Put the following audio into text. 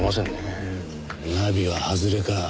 ナビは外れか。